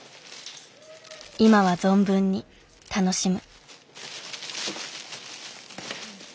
今は存分に楽しむ。